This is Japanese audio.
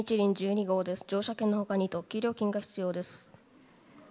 乗車券のほかに特急料金が必要です。